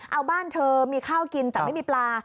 เอาบ้านเธอมีข้าวกินแต่ไม่มีปลา